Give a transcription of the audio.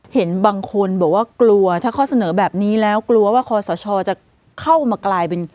เห็นบางคนบอกว่ากลัวถ้าข้อเสนอแบบนี้แล้วกลัวว่าคอสชจะเข้ามากลายเป็น